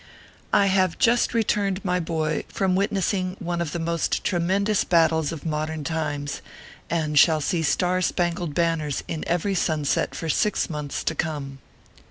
I HAVE just returned, my boy, from witnessing one of the most tremendous battles of modern times, and shall see star spangled banners in every sunset for six months to come.